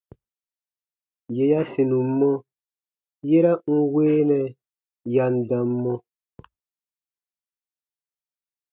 Yè ya sinum mɔ, yera n weenɛ ya n dam mɔ.